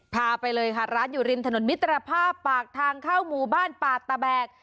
พาไปเลยค่ะร้านอยู่ริมถนนมิตรภาพปากทางเข้าหมู่บ้านป่าตะแบก